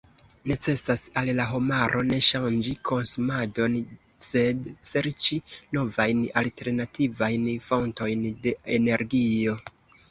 Necesas al la homaro ne ŝanĝi konsumadon, sed serĉi novajn alternativajn fontojn de energio.